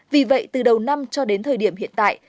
vì vậy từ đầu năm cho đến thời điểm hiện tại